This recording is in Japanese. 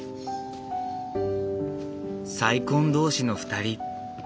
再婚同士の２人。